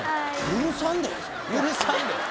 「許さんで」